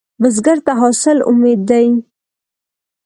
بزګر ته حاصل امید دی